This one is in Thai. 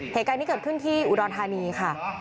เหตุการณ์นี้เกิดขึ้นที่อุดรธานีค่ะ